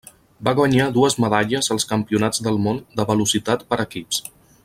Va guanyar dues medalles als Campionats del món de velocitat per equips.